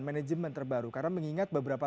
manajemen terbaru karena mengingat beberapa